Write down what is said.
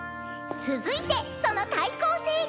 「続いてその対抗勢力」。